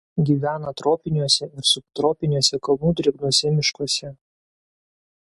Gyvena tropiniuose ir subtropiniuose kalnų drėgnuose miškuose.